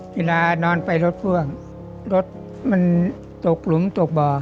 เวลานอนไปรถพ่วงรถมันตกหลุมตกบ่อ